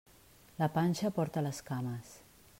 La panxa porta les cames.